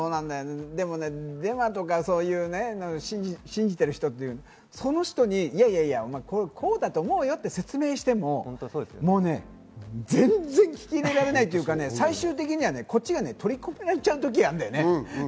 デマとか信じている人、その人にこうだと思うよって説明しても、全然聞き入れられないというか、最終的にはこっちが取り込められちゃう時があるんだよね。